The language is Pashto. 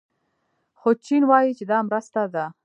خو چین وايي چې دا مرسته ده.